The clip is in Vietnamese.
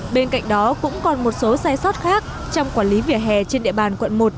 bên cạnh đó cũng còn một số sai sót khác trong quản lý vỉa hè trên địa bàn quận một